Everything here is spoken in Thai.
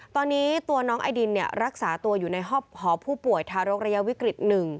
ตอนนี้ตัวน้องไอดินรักษาตัวอยู่ในหอผู้ป่วยทารกระยะวิกฤต๑